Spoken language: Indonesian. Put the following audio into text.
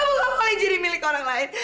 yang kamu gak boleh jadi milik orang lain